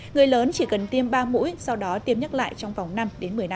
người lớn chỉ cần tiêm ba mũi sau đó tiêm nhắc lại trong vòng năm một mươi năm